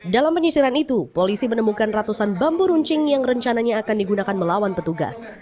dalam penyisiran itu polisi menemukan ratusan bambu runcing yang rencananya akan digunakan melawan petugas